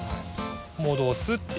戻すって。